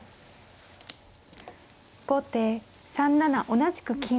後手３七同じく金。